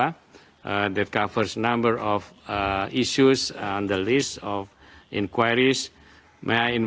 yang menutup beberapa isu di listrik penyelidikan